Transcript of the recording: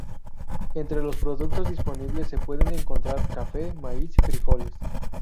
Entre los productos disponibles se puede encontrar: Cafe, Maiz, Frijoles.